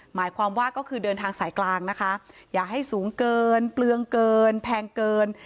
หมายความว่าก็คือเดินทางสายกลางนะคะอย่าให้สูงเกินเปลืองเกินแพงเกิน